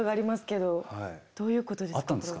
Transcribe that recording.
どういうことですか？